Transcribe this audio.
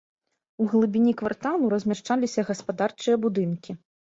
У глыбіні кварталу размяшчаліся гаспадарчыя будынкі.